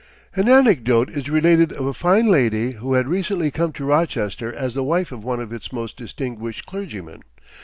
An anecdote is related of a fine lady who had recently come to Rochester as the wife of one of its most distinguished clergymen.